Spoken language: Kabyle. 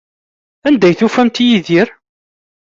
Anda ay tufamt Yidir?